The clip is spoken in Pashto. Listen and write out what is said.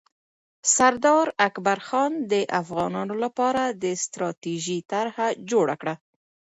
سردار اکبرخان د افغانانو لپاره د ستراتیژۍ طرحه جوړه کړه.